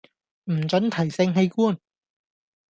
唔准提性器官